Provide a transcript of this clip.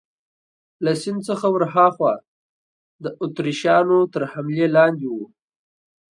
له سیند څخه ورهاخوا د اتریشیانو تر حملې لاندې وو.